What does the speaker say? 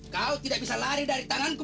kau tidak bisa lari dari tanganku